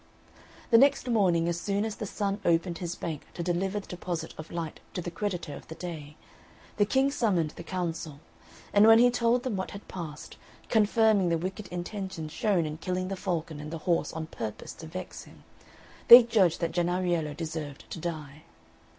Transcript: The next morning, as soon as the Sun opened his bank to deliver the deposit of light to the Creditor of the Day, the King summoned the council; and when he told them what had passed, confirming the wicked intention shown in killing the falcon and the horse on purpose to vex him, they judged that Jennariello deserved to die.